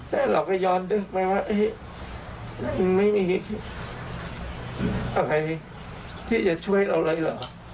แต่เราก็ย้อนนึกไปว่ามันไม่มีอะไรที่จะช่วยเราเลยเหรอ